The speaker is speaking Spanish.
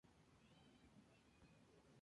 Su primer trabajo fue en Target.